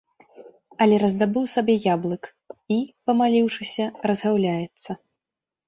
Але раздабыў сабе яблык і, памаліўшыся, разгаўляецца.